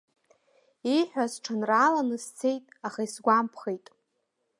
Ииҳәаз сҽанрааланы сцеит, аха исгәамԥхеит.